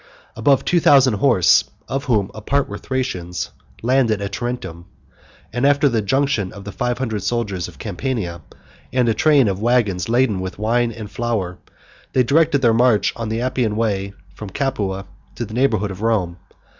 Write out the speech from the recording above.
Above two thousand horse, of whom a part were Thracians, landed at Tarentum; and, after the junction of five hundred soldiers of Campania, and a train of wagons laden with wine and flour, they directed their march on the Appian way, from Capua to the neighborhood of Rome.